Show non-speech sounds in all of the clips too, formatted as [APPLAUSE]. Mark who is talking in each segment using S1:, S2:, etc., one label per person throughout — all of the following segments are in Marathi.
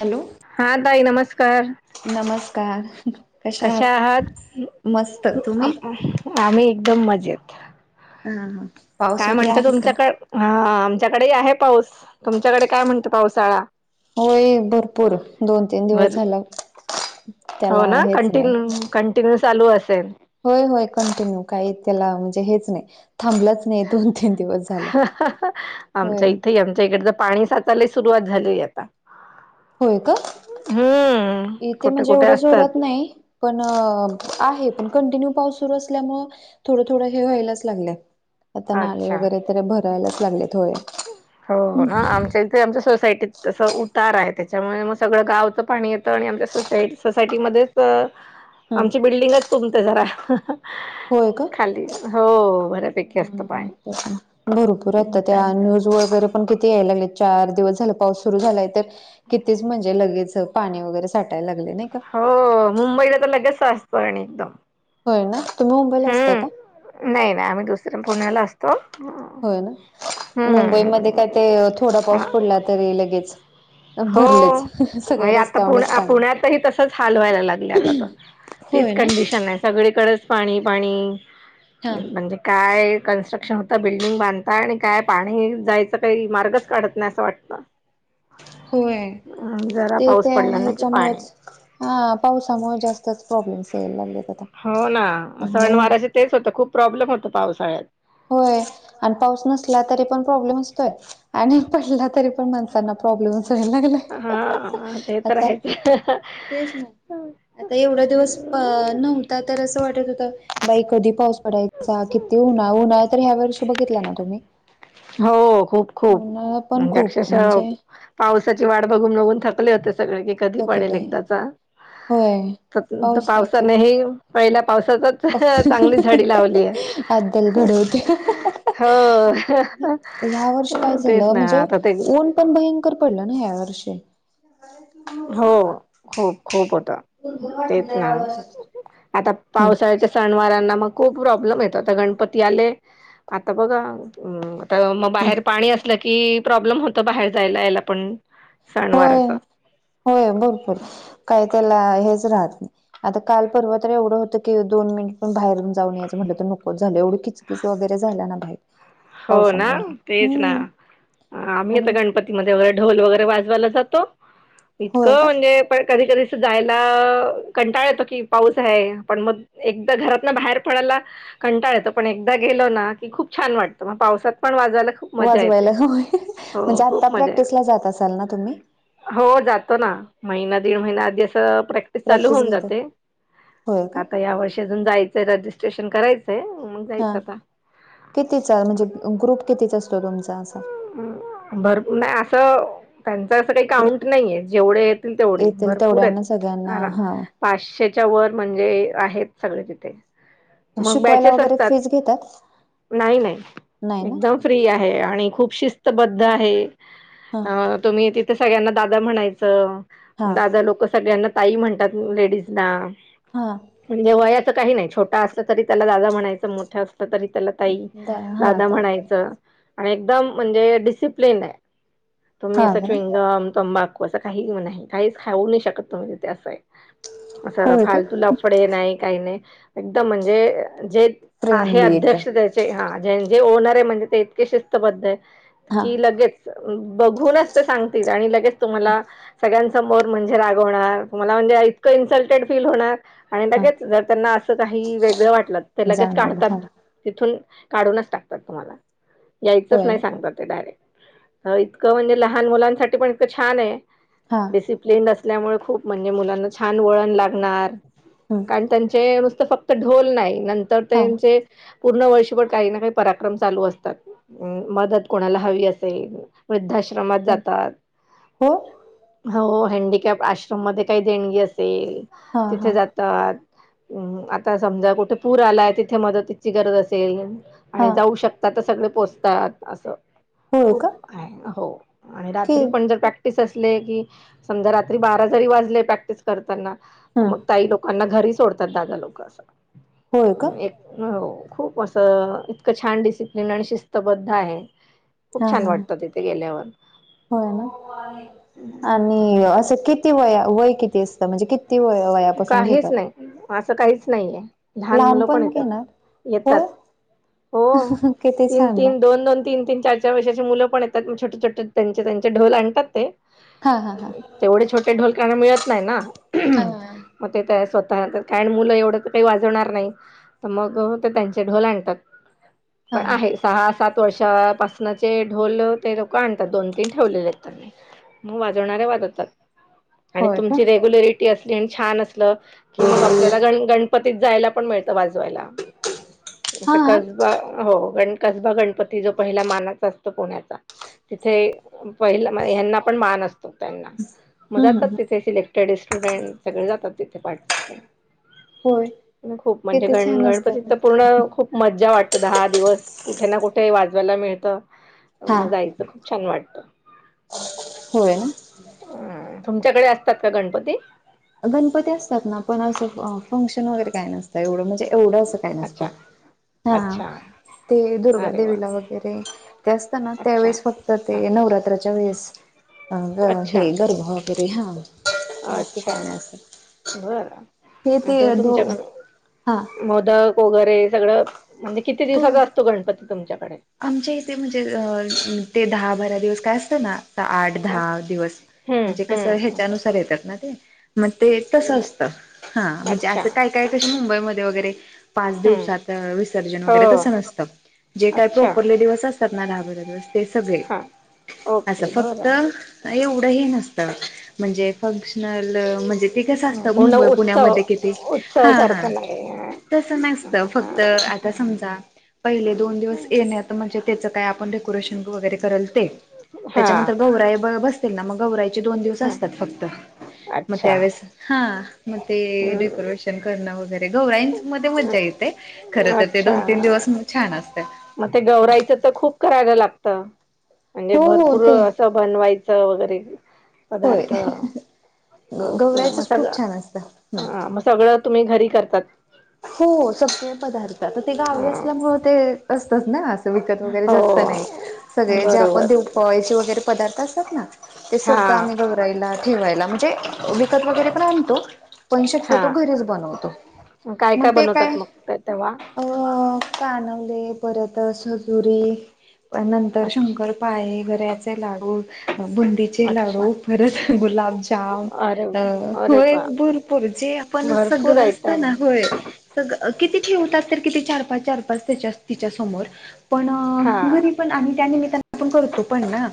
S1: हॅलो
S2: हा, ताई नमस्कार!
S1: नमस्कार! कशा आहात? मस्त तुम्ही
S2: आम्ही, एकदम मजेत.
S1: हा हा. पाऊस
S2: काय
S1: वगैरे
S2: म्हणता,
S1: आहे का
S2: तुमच्याकड हा आमच्याकडे आहे पाऊस तुमच्याकडे काय म्हणतो पावसाळा?
S1: होय, भरपूर दोन तीन दिवस
S2: भर
S1: झाल.
S2: हो, ना कंटिन्यू कंटिन्यू चालू असेल?
S1: होय होय, कंटिन्यू काही त्याला म्हणजे हेच नाही. थांबलाच नाही दोन तीन दिवस झाला
S2: ह ह ह
S1: होय
S2: आमच्या इथं आमच्या इकड पाणी साचाले सुरुवात झालीय आता
S1: होय का
S2: हम्म
S1: इथे
S2: कुठे
S1: म्हणजे
S2: कुठे
S1: एवढ जोरात
S2: असतात
S1: नाही पण आहे पण कंटिन्यू पाऊस तु नसल्यामुळ थोडं थोड हे व्हायलाच लागले आता नाले
S2: अच्छा
S1: वगैरे तर भरायलाच लागले
S2: हो ना आमच्या इथे आमच्या सायटीत तसं उतार आहे त्याच्यामुळे मग सगळं गावचं पाणी येतं आणि आमच्या सोसायट सोसायटीमध्येच आमची बिल्डिंगच तुमते जरा
S1: होय का
S2: खाली हो बऱ्यापैकी असते
S1: हम्म भरपूर आता त्या
S2: चालत
S1: न्यूज व वगैरे पण किती याय लागलेत चार दिवस झाल पाऊस सुरु झालाय तर कितीच म्हणजे लगेच पाणी वगैरे साटायला लागले. नाही का
S2: हो मुंबईला तर लगेच सीचत पाणी एकदम
S1: होय ना तुम्ही मुंबईला असता का
S2: हम्म नाही नाही आम्ही दुसऱ्या पुण्याला असतो
S1: होय ना
S2: हम्म
S1: मुंबईमध्ये काय ते थोडा पाऊस पडला तरी लगेच भरलेच सगळे
S2: आणि आता पु
S1: रस्त्यावरच पाणी
S2: पुण्यातही तसच हालवायला लागलं आता तीच
S1: होय ना
S2: कंडिशन आहे सगळी सगळीकडेच पाणी पाणी
S1: हा
S2: म्हणजे काय कन्स्ट्रक्शन होतं बिल्डिंग बांधता आणि काय पाणी जायचं काही मार्गच काढत नाही असं वाटतं
S1: होय
S2: जरा
S1: ते
S2: पाऊस
S1: त्या
S2: पडला ना की पाणी
S1: ह्याच्यामुळेच हा पावसामुळे जास्तच प्रॉब्लेम्स यायला लागलेत आता
S2: हो ना
S1: आणि
S2: सणवाराच तेच होत खूप प्रॉब्लेम होत पावसाळ्यात
S1: होय आणि पाऊस नसला तरी पण प्रॉब्लेम असतोय आणि पडला तरी पण माणसांना प्रॉब्लेम लागला
S2: हा ते तर
S1: आता
S2: आहेच
S1: तेच ना आता एवढा दिवस नव्हता तर असं वाटत हो बाई कधी पाऊस पडायचा किती उन्हाळा उन्हाळा तर ह्या वर्षी बघितला ना तुम्ही
S2: हो खूप खूप
S1: उन्हाळा पण
S2: म्हणजे
S1: खूप
S2: अक्षशा
S1: म्हणजे
S2: पावसाची वाट बघून बघून थकले होते सगळे क कधी पडेल
S1: थकले
S2: एकदाचा
S1: होय
S2: तर
S1: पावसाच
S2: पावसाने पहि पावसाातच चांगली झाडी लावली हाय
S1: अद्दल घडवते
S2: हो
S1: ह्या वर्षी काय
S2: तेच
S1: झालं
S2: ना
S1: म्हणजे
S2: आता ते
S1: ऊन पण भयंकर पडलं ना ह्या वर्षी
S2: हो खूप खूप होतं
S1: गुरगुर वाटली
S2: तेच
S1: लय
S2: ना
S1: वेळ अशी.
S2: आता
S1: हम्म
S2: पावसाळ्याच्या स ना मग खूप प्रॉब्लेम येतोता गणपती आले आता बघा मग बाहेर पाणी असलं की प्रॉब्लेम होतं बाहेर जायला यायला पण
S1: होय
S2: सणवाराचा
S1: होय भरपूर काही त्याला हेच राहत नाही आता कालपर्वा तरी एवढं होतं की दोन पण बाहेरून जाऊन यायचं म्हटलं तर नकोच झालं एवढी खिचकीच वगैरे झाल्या ना बाई
S2: हो ना तेच ना आम्ही आता
S1: आणि
S2: गणपतीमध्ये वगैरे ढोल वगैरे वाजवायला
S1: होय
S2: इतकं
S1: का
S2: म्हणजे पण कधी कधी जायला कंटाळ येतो की पाऊस आहे पण मग एकदा घरात न बाहेर पडायला कंटाळ येत पण एकदा गेलो ना की खूप छान वाटतं मग पावसात पण वाज ला खूप मज्जा येते
S1: वाजवायला होय.
S2: हो
S1: म्हणजे आता
S2: खूप मज्जा ये
S1: प्रॅक्टिसला जात असाल ना तुम्ही
S2: हो जातो ना महिना दिड महिना आधी अस प्रॅक्टिस चालू होऊन जाते
S1: होय का
S2: आता ह्या वर्षी अजून जाय रजिस्ट्रेशन करायचंय मग
S1: हा.
S2: जायचं आता
S1: कितीचा म्हणजे ग्रुप कितीचा आसतोय तुमचा असा
S2: त्यांचा असं काही
S1: ग्रुप
S2: काउंट नाही आहे जेवढे येतील तेवढे
S1: येतील
S2: भरपूर
S1: तेवढ्यांना सगळ्यांना
S2: आहेत
S1: हा
S2: पाचशे त्याच्या वर म्हणजे आहेत सगळे तिथे मग
S1: शिकवायला
S2: बॅचेस
S1: वगैरे
S2: असतात
S1: फीज घेतात
S2: नाही नाही
S1: नाही ना
S2: एकदम फ्री आहे आणि खूप शिस्तबद्ध आहे
S1: हा
S2: तुम्ही ति तर सगळ्यांना दादा म्हणायचं
S1: हा
S2: दादा लोक सगळ्यांना ताई म्हणतात लेडीजला
S1: हा
S2: म्हणजे वयाच काही नाही छोटा असलं तरी त्याला दादा म्हणायचं मोठ अस तरी त्याला ताई
S1: दा हा
S2: दादा
S1: ताई
S2: म्हणायचं आणि एकदम म्हणजे डिसिप्लिन आहे
S1: हा
S2: तुम्ही
S1: का
S2: सचविंगम तोंबा ू असं काही नाही काहीच खाऊ नाही शकत त म्हणजि तेें आहे असं
S1: होय का
S2: फालतू लफडे नाही काही नाही एकदम म्हणजे जे आहे
S1: फ्रेंडली एकदम
S2: अध्यक्ष त्याचे हा ज जे ओनर आहे म्हणजे ते इतके शिस्तबद्ध आहे
S1: हा
S2: की लगेच बघूनच ते सांगतील आणि लगेच तुम्हाला सगळ्यां समोर म्हणजे रागवणार तुमला म्हणजे इतकं इन्सल्टेड फील होणार आणि
S1: हा
S2: लगेच जर त्यांना असं काही वेगळं वाटलं तर लगेच
S1: जाणवलं हा
S2: काढतात तिथून काढूनच टाकतात तुम्हाला यायचंच
S1: होय
S2: नाही
S1: ना
S2: सांगत ते डायरेक्ट इतकं म्हणजे लहान मुलांसाठी पण इतकं छान आहे
S1: हा
S2: डिसिप्लिनड असल्यामुळे खूप म्हणजे मुलांना छान वळण लागणार
S1: हम्
S2: कारण त्यांचे नुसत फक्त ढोल नाही नंतर
S1: हा
S2: त्यांचे पूर्ण वर्ष का काही परा्रम ल असतात मत कोणाला ह असेला
S1: ह
S2: ात
S1: हो
S2: हंडीकॅप आश्रम मध्ये काही देणगी असेल
S1: हा हा
S2: तिथे जातात हम् आता समजा कुठे पूर आलाय तिथे मदतीची गरज असेल
S1: हा
S2: आणि जाऊ शकतात पो
S1: होय
S2: खप
S1: का
S2: रात
S1: कि
S2: पण प्रॅक्ट बा प्र
S1: हम्
S2: लोकांना सोडतात दागा लोक
S1: होय का
S2: असा एक खूप असं इतकं छान डिसिप्लिन आणि शिस्तबद्ध आहे
S1: हा
S2: खूप छान
S1: हा
S2: वाटतात इथे गेल्यावर
S1: होय ना
S2: हम्म,
S1: आणि असं
S2: त्याच्यामुळे
S1: किती वय वय किती असतं म्हणजे कि ती व वयापासून
S2: काहीच
S1: घेतात
S2: नाही असं काहीच नाहीये लहान मुलं पण
S1: लहानपण
S2: येतात
S1: घेणार
S2: येतात
S1: होय
S2: हो
S1: किती
S2: तीन
S1: छान ना
S2: तीन दोन दोन तीन तीन चार चार वर्षाची मुलं पण आहेत छोट छोटे त्यांचे त्यांचे ढोल आणतात ते
S1: हा हा हा
S2: तेवढे छोटे ढोलकना मिळत नाही ना
S1: हा
S2: मग ते स्व कारण मुलं एवढं काही वाजवणार नाही तर मग ते त्यांचे ढोल आणतात
S1: हा
S2: पण
S1: हा
S2: आहे सहा सात थोडश्या पासनाचे ढोल ते लोकं आणतात. दोन तीन ठेवलेले आहेत त्यांनी, मग वाजवणार्या वाजतात आणि
S1: होय का
S2: तुमची रेग्युलरिटी असली आणि छान असलं. कि मग आपल्याला गण गणपतीत जायला पण मिळतं वाजवायला. आता
S1: हा
S2: कसबा हो गण, कसबा गणपती जो पहिला मानाचा असतो पुण्याचा तिथे पहि हना पण मान नसतो त्यांना मग
S1: हम्
S2: जातात
S1: हम्
S2: तिथे सिलेक्टेड स्टुडंट सगळे जातात तिथे
S1: होय
S2: पार्टिसिपेंट खूप म्हणजे
S1: किती
S2: गण
S1: छान
S2: गणपतीत
S1: असतात ना.
S2: तर पूर्ण खूप मज्जा वाटत दहा दिवस कुठे ना कुठे वाजवायला मिळतं
S1: हा
S2: मजायचं खूप छान वाटतं
S1: होय ना
S2: हम्म तुमच्याकडे असतात का गणपती
S1: गणपती असतात ना पण असं फंक्शन वगैरे काय नसतं एवढं म्हणजे एवढं असं काही नसत
S2: अच्छा
S1: हा
S2: अच्छा
S1: ते दुर्गा
S2: अरे वा
S1: देेवीला वगैरे ते असत ना
S2: अच्छा
S1: त्यावेळेस फक्त
S2: हा
S1: ते नवरात्रा
S2: अच्छा
S1: गर् वरे हा
S2: छ
S1: काय नाही असं
S2: बरं
S1: हे ते
S2: आता
S1: दो
S2: तुमच्याक,
S1: हा
S2: मोदक वगैरे सगळं म्हणजे, किती
S1: हो
S2: दिवसाचा असतो गणपती तुमच्याकडे?
S1: आमच्या इथे म्हणजे अ ते दहा बारा दिवस काय असतं ना? आठ दहा दिवस. म्हणजे
S2: हम्म
S1: कस
S2: हम्म
S1: ह्याच्यानुसार येतात, ना ते मग ते तस असतं हा म्हणजे
S2: अच्छा
S1: असं काय काय मुबई वरे पाच
S2: हम्म
S1: दिवसर्न
S2: हो
S1: व तस नत,
S2: अच्छा
S1: प्रॉपरले दिवस असतात ना दहा बारा दिवस ते सगळे
S2: हा
S1: असं
S2: ओके
S1: फक्त
S2: बरं
S1: एवढं ह नसत म्हणजे, म्हणजे ते कस असत
S2: पूर्ण
S1: मुंबई
S2: उत्सव
S1: पुण्यामध्ये कि
S2: उत्सव
S1: हा हा,
S2: सारखा नाही
S1: तस नसत, फक्त आता समजा पहिले दोन दिवस ण का आप डेकोरेशन वगैरे करेल ते
S2: हा
S1: त्याच्यानंतर गौराई ना मग गवरायचे दोन दिवस
S2: हा
S1: असतात फक्त, मग
S2: अच्छा
S1: त्यावेळेस हा मग ते
S2: हम्
S1: डेकोरेशन करणं वगैरे, घवराईं मध्ये मज्जा येते खर तर ते
S2: अच्छा
S1: दोन तीन दिवस छान असत.
S2: मग ते गवरायचं तर खूप करायला लागत. म्हणजे
S1: हो हो
S2: भरपूर
S1: ते
S2: असं बनवायचं वगैरे,
S1: होय
S2: पदार्थ ओके मग
S1: गौरायचच
S2: सगळ
S1: खूप छान असतं
S2: मग सगळं तुम्ही घरी करतात.
S1: हो सगळे पदार्थ तर ते
S2: अ,
S1: गावी असल्यामुळे ते असतच ना! विकत वगैरे
S2: हो
S1: जास्त नाही सगळे जे आपण
S2: बरोबर
S1: तेव पयचे वगैरे पदार्थ असतात ना! ते
S2: हा
S1: सगळं आम्ही गौरायला ठेवायला म्हणजे विकत वगैरे पण आणतो. पण शक्य
S2: हा
S1: तो घरीच बनवतो
S2: काय
S1: मग ते
S2: बनवतात
S1: काय.
S2: मग ते तेव्हा
S1: कानवले परत हजुरी नंतर
S2: अच्छा
S1: शंकर पाय घ रव्याचे लाडू. बुंदचे
S2: अच्छा
S1: लाडू, परत गुलाबजाम
S2: अरे
S1: अ
S2: अरे
S1: हय
S2: बाप!
S1: भरपूर जे, आपण सग
S2: भरपूर
S1: गळ असत
S2: आयटम
S1: ना होय. सगळं किती ठेवतात तर किती चार पाच चार पाच त्याच्या तिच्या समोर, पण
S2: हां.
S1: घरी पण आम्ही त्या निमित, आपण करतो पण ना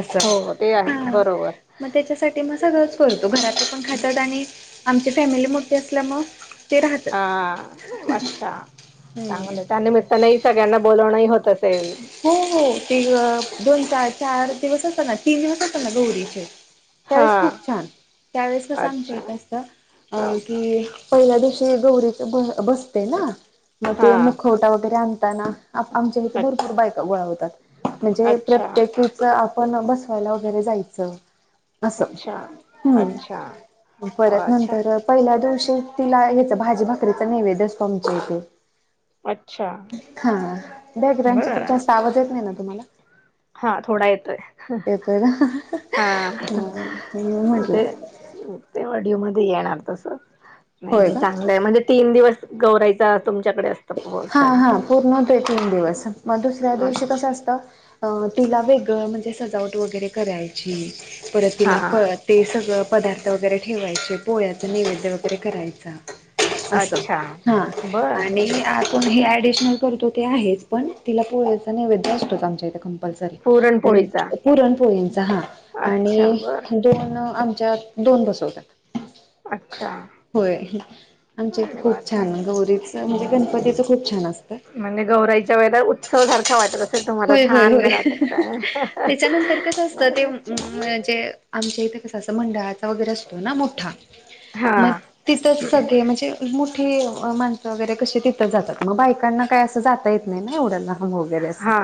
S1: असं
S2: हो, हो ते आहे
S1: ह.
S2: बरोबर.
S1: मग त्याच्यासाठी म सगळच करतो घरातलं पण खचत आणि आची फॅमिली मोठी असल्या मग ते राहतात.
S2: अच्छा
S1: हम्म
S2: चांगलं त्यानिमित्तानेही सगळ्यांना बोलणंही होत. सल
S1: हो हो ते दोनार चार दिवस होत ना तीन दिवस होत ना गौरीचे त्यावेेळेस खूप
S2: हां,
S1: छान त्यावेळेस कसं आमच
S2: अच्छा.
S1: यत असत अ की, पहिल्या दिवशी गौरीच बसते ना मग ते
S2: हां.
S1: मुखवटा वगैरे आण [UNINTELLIGIBLE] आमच्या इथे
S2: अ
S1: भरपूर बायका गोळा होतात, म्हणजे
S2: अच्छा,
S1: प्रत्येकीचं पण बसवायला वगैरे जायचं. असं
S2: अच्छा, अच्छा.
S1: हम्म,
S2: हो,
S1: परत
S2: अच्छा.
S1: नंतर पहिल्या दिवशी तिला याच भाजी भाकरीच नैवेद असतो आमचे इथे,
S2: अच्छा!
S1: ह जास्त आवाज येत नाही ना तुम्हाला,
S2: हा थोडा येतोय.
S1: येतोय का
S2: हा
S1: म्हणून म्हटलं
S2: ते ते ऑडिओमध्य येणार तस नाही
S1: होय
S2: नाही
S1: का
S2: चांगलं आहे म्हणजे तीन दिवस गौरायचा तुमच्याकडे अस
S1: हा हा पूर्ण होतोय तीन दिवस मग दुसऱ्या दिवशी कसं
S2: अच्छा
S1: असतं. अ तिला वेगळं म्हणजे सजावट वगैरे करायची परत तिला
S2: हा
S1: फ ते सगळं पदार्थ वगैरे ठेवायचे पोळ्याच निवेद्य वगैरे करायचा. असं
S2: अच्छा
S1: हा
S2: बर
S1: आणि, हे ऍडिशनल करतो, ते आहेच पण तिला पोळ्याचा नैवेद्य असतो चं आमच्या इथे कंपलसरी
S2: पुरणपोळीचा
S1: पुरणपोळींचा हा
S2: अच्छा
S1: आणि
S2: बर
S1: अजुन आम च्यात दोन बसवतात.
S2: अच्छा
S1: होय. आमच्या इथ
S2: अरे वा
S1: खूप छान गौरीच, म्हणजे
S2: हम्म.
S1: गणपतीच
S2: म्हणजे गवराईच्या वेळेला उत्सव सारखा वाटत असेल तुम्हाला
S1: होय होय
S2: छान
S1: होय.
S2: घरात एकदा
S1: त्याच्यानंतर कसं असतं,
S2: नाही
S1: ते
S2: नाही छान
S1: म्हजे आमच्या इथ सहसा मंडळाचा वगरे असतो ना मोठा.
S2: हा
S1: मग तिथ सगळे म्हणजे मोठ माणसं वगैरे कशी तिथं जातात. मग बायकांना काय असं जाता नई ना एवढं लहान वगैरे अस.
S2: हा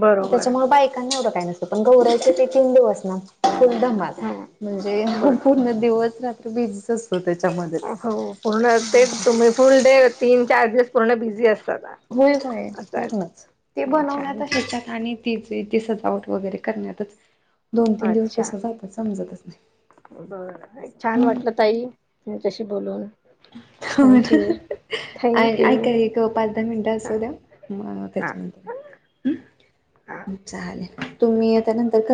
S2: बरोबर
S1: त्याच्यामूळ बायका एवढ काय नसत. पण गवरायचं ते तीन दिवस ना फुल धमाल.
S2: हा
S1: म्हणजे
S2: बरोबर
S1: पूर्ण दिवस रात्र बीजीच अस
S2: हो पूर्ण ते तुम्ही फुल डे तीन चार दिवस पूर्ण बिझी अस
S1: होय होय पूर्णच. ते
S2: नाही
S1: बनवण्यात
S2: छान छान
S1: हच्याात आणि ती ती सजावट वगैरे करण्यातच दोन तीन दिवस
S2: अच्छा
S1: कस जातात समजतच नाही.
S2: तसे बोलून
S1: [UNINTELLIGIBLE] हो
S2: थँक्यू
S1: ना
S2: थँक्यू
S1: ऐका एक पाच दहा मिनिटं असू
S2: हां
S1: द्या, मग
S2: हां
S1: त्याच्यानंतर
S2: हां
S1: हम्म चालेल, तुम्ही आता नंतर क